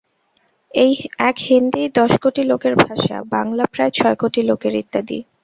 এক হিন্দীই দশ কোটি লোকের ভাষা, বাঙলা প্রায় ছয় কোটি লোকের, ইত্যাদি।